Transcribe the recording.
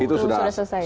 itu sudah selesai